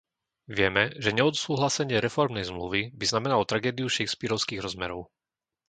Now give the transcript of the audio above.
Vieme, že neodsúhlasenie reformnej zmluvy by znamenalo tragédiu shakespearovských rozmerov.